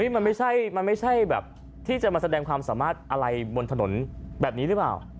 มันไม่ใช่มันไม่ใช่แบบที่จะมาแสดงความสามารถอะไรบนถนนแบบนี้หรือเปล่า